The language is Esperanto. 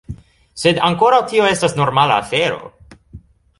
Sed ankoraŭ tio estas normala afero.